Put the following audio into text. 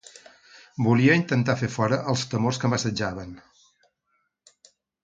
Volia intentar fer fora els temors que m’assetjaven.